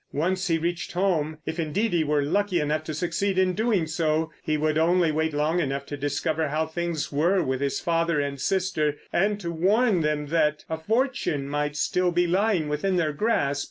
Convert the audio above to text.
Once he reached home—if indeed he were lucky enough to succeed in doing so—he would only wait long enough to discover how things were with his father and sister, and to warn them that a fortune might still be lying within their grasp.